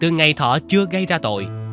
từ ngày thọ chưa gây ra tội